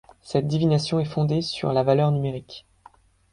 Cette divination est fondée sur la valeur numérique.